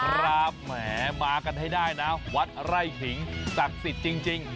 แหมมากันให้ได้นะวัดไร่ขิงศักดิ์สิทธิ์จริง